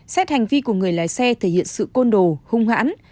xét hành vi của người lái xe thể hiện sự côn đồ hung hãn